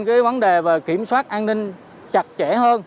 cái vấn đề về kiểm soát an ninh chặt chẽ hơn